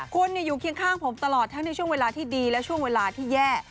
คุณอยู่เคียงข้างผมตลอดทั้งในช่วงเวลาที่ดีและช่วงเวลาที่แย่